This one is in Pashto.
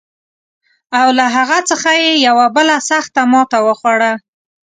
او له هغه څخه یې یوه بله سخته ماته وخوړه.